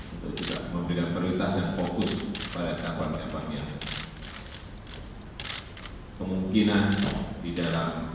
untuk juga memberikan prioritas dan fokus pada kapal kapal yang kemungkinan di dalam